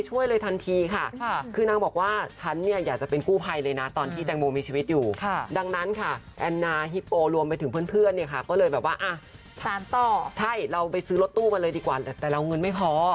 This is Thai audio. ซื้อรถตู้มาเลยดีกว่าแต่เราเงินไม่พอ